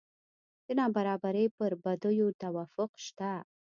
د نابرابرۍ پر بدیو توافق شته.